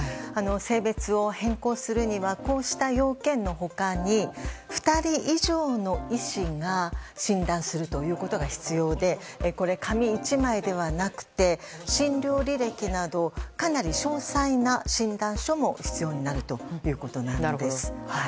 性別を変更するにはこうした要件の他に２人以上の医師が診断するということが必要でしてこれは紙１枚ではなくて診療履歴などかなり詳細な診断書も必要になるということです。